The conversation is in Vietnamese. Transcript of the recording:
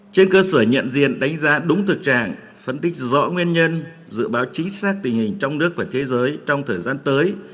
trên cơ sở nhận diện đánh giá đúng thực trạng phân tích rõ nguyên nhân dự báo chính xác tình hình trong nước và thế giới trong thời gian tới